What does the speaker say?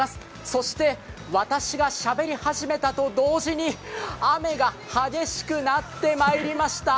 そして私がしゃべり始めたと同時に雨が激しくなってまいりました。